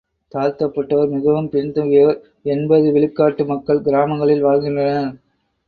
தாழ்த்தப்பட்டோர், மிகவும் பின்தங்கியோர், எண்பது விழுக்காட்டு மக்கள் கிராமங்களில் வாழ்கின்றனர்.